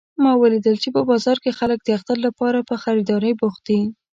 ما ولیدل چې په بازار کې خلک د اختر لپاره په خریدارۍ بوخت دي